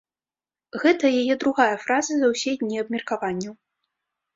Гэта яе другая фраза за ўсе дні абмеркаванняў.